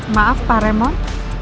maaf pak remon